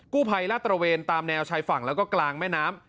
ผู้ภัยลาดตระเวนตามแนวชายฝั่งแล้วก็กลางแม่น้ำ